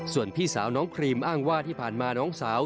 ส่วนพี่สาวน้องครีมอ้างว่าที่ผ่านมาน้องสาว